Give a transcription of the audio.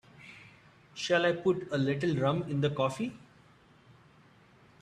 Shall I put a little rum in the coffee?